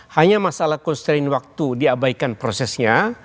hanya masalah konstrain waktu diabaikan prosesnya